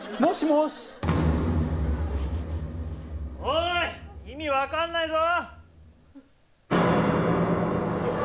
おい意味分かんないぞ！